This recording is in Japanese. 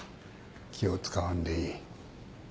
気を使わんでいい。